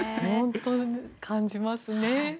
本当に感じますね。